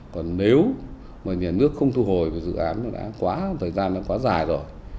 còn nếu mà nhà nước không thu hồi cái dự án nó đã quá thời gian nó quá dài rồi